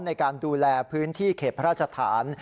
ในการดูแลพื้นที่เขตพระราชฐาน